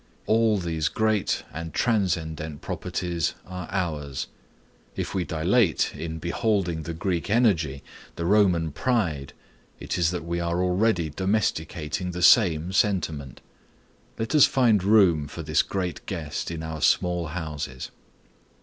All these great and transcendent properties are ours. If we dilate in beholding the Greek energy, the Roman pride, it is that we are already domesticating the same sentiment. Let us find room for this great guest in our small houses.